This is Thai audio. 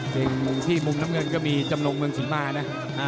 สิ่งที่มุมน้ำเงินก็มีจำลงเมืองสินมานะ